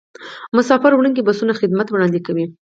مسافروړونکي بسونه خدمات وړاندې کوي